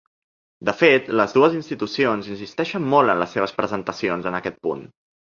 De fet, les dues institucions insisteixen molt en les seves presentacions en aquest punt.